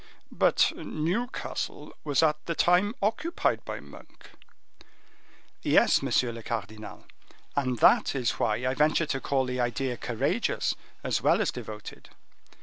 "But Newcastle was at the time occupied by Monk." "Yes, monsieur le cardinal, and that is why I venture to call the idea courageous as well as devoted.